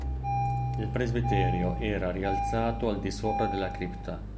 Il presbiterio era rialzato al di sopra della cripta.